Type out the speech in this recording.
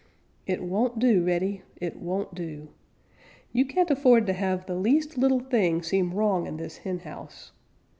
It won't do, Reddy; it won't do. You can't afford to have the least little thing seem wrong in this henhouse.